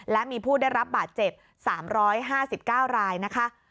และมีผู้ได้รับบาดเจ็บ๓๕๙รายนะคะ